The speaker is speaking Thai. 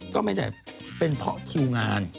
ก็ไม่ได้เป็นเพราะคิวงาน